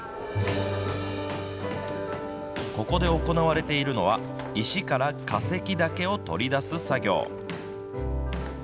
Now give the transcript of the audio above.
ここで行われているのは、石から化石だけを取り出す作業。